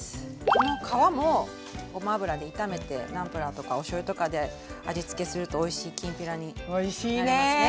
この皮もごま油で炒めてナンプラーとかおしょうゆとかで味付けするとおいしいきんぴらになりますね。